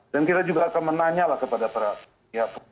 dan kita juga akan menanyalah kepada pihak pihak